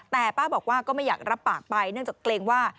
แต่ป้าบอกว่าก็ไม่อยากรับปากไปเนื่องจากเกรงว่า